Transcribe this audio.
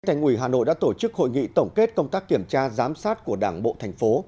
thành ủy hà nội đã tổ chức hội nghị tổng kết công tác kiểm tra giám sát của đảng bộ thành phố